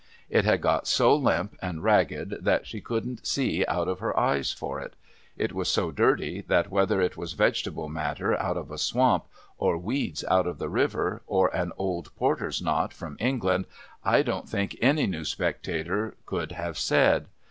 It had got so limp and ragged that she couldn't see out of her eyes for it. It was so dirty, that whether it was vegetable matter out of a swamp, or weeds out of the river, or an old porter's knot from England, I don't think any new spectator could have said.